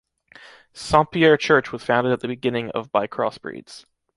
Saint-Pierre church was founded at the beginning of by cross-breeds.